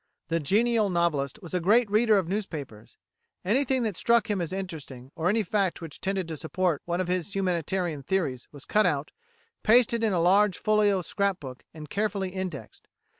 The genial novelist was a great reader of newspapers. Anything that struck him as interesting, or any fact which tended to support one of his humanitarian theories, was cut out, pasted in a large folio scrap book, and carefully indexed.